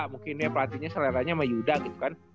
mungkin ya perhantinnya selera nya sama yudha gitu kan